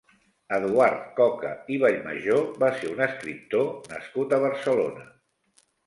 Eduard Coca i Vallmajor va ser un escriptor nascut a Barcelona.